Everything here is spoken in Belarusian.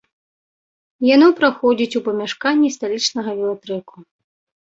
Яно праходзіць у памяшканні сталічнага велатрэку.